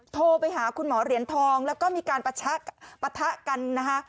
โทรไปหาคุณหมอเหรียญทองแล้วก็มีการปะทะกันนะคะ